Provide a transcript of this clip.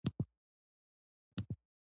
هغوی باید د مثبتو اغیزو څخه ځان ډاډه کړي.